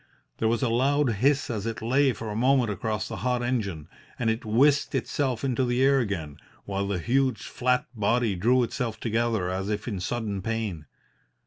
There was a loud hiss as it lay for a moment across the hot engine, and it whisked itself into the air again, while the huge flat body drew itself together as if in sudden pain.